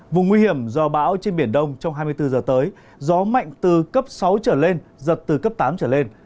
vùng nguy hiểm do bão trên biển đông trong hai mươi bốn giờ tới gió mạnh từ cấp sáu trở lên giật từ cấp tám trở lên